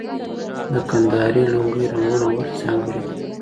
د کندهاري لونګۍ رنګونه ولې ځانګړي دي؟